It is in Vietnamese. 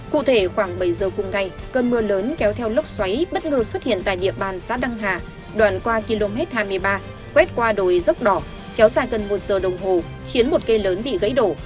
cụ thể khoảng bảy giờ cùng ngày cơn mưa lớn kéo theo lốc xoáy bất ngờ xuất hiện tại địa bàn xã đăng hà đoàn qua km hai mươi ba quét qua đồi dốc đỏ kéo dài gần một giờ đồng hồ khiến một cây lớn bị gãy đổ